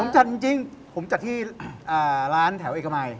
ผมจัดจริงผมจัดที่ร้านแถวเอกมัย